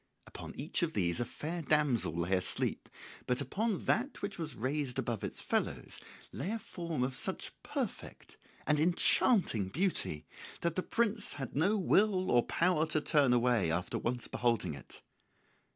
Upon each of these a fair damsel lay asleep; but upon that which was raised above its fellows lay a form of such perfect and enchanting beauty that the prince had no will or power to turn away after once beholding it.